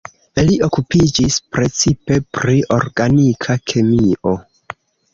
Li okupiĝis precipe pri organika kemio.